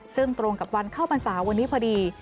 ซึ่งตรงกับวันเข้าพรรษาวันนี้พอดี